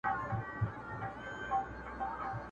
له توتکیو به وي تشې د سپرلي لمني.!